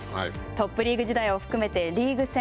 トップリーグ時代を含めてリーグ戦